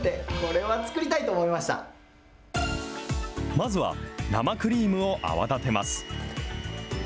まずは、生クリームを泡立てます。